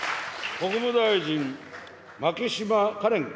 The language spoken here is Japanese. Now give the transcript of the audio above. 国務大臣、牧島かれん君。